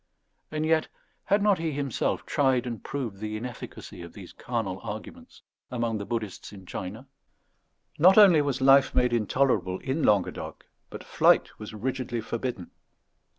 And yet had not he himself tried and proved the inefficacy of these carnal arguments among the Buddhists in China? Not only was life made intolerable in Languedoc, but flight was rigidly forbidden.